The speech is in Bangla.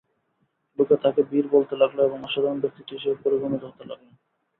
লোকে তাকে বীর বলতে লাগল এবং অসাধারণ ব্যক্তিত্ব হিসেবে পরিগণিত হতে লাগলেন।